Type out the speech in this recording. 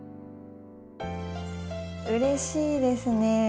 うれしいですね。